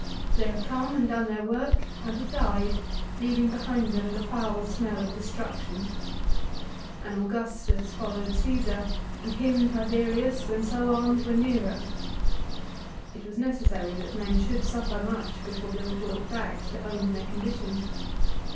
They have come and done their work and have died, leaving behind them the foul smell of destruction. An Augustus followed Csesar, and him Tibe rius, and so on to a Nero. It was necessary that men should suffer much before they were brought back to own their condition.